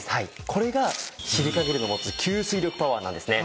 これがシリカゲルが持つ吸水力パワーなんですね。